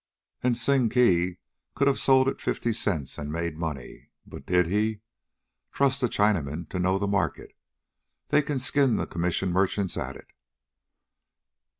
And Sing Kee could have sold at fifty cents and made money. But did he? Trust a Chinaman to know the market. They can skin the commission merchants at it.